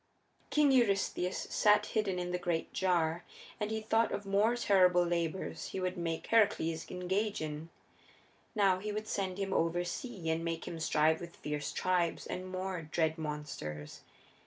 King Eurystheus sat hidden in the great jar, and he thought of more terrible labors he would make Heracles engage in. Now he would send him oversea and make him strive with fierce tribes and more dread monsters.